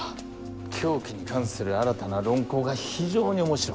凶器に関する新たな論考が非常に面白かった。